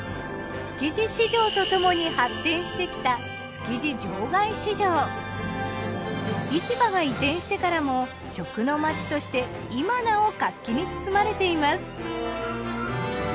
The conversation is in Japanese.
築地市場とともに発展してきた市場が移転してからも食のまちとして今なお活気に包まれています。